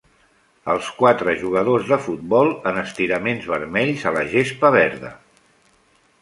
Els quatre jugadors de futbol en estiraments vermells a la gespa verda.